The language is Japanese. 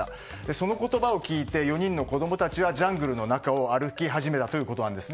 その言葉を聞いて４人の子供たちはジャングルの中を歩き始めたということです。